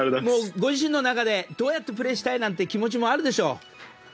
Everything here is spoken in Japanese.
ご自身の中で、どうやってプレーしたいなんていう気持ちもあるでしょう。